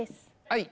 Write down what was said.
はい。